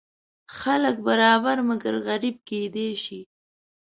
خلک برابر مګر غریب کیدی شي.